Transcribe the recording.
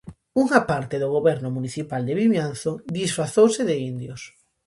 Unha parte do goberno municipal de Vimianzo disfrazouse de "indios".